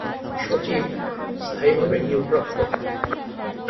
সচিব স্থায়ীভাবে নিয়োগপ্রাপ্ত।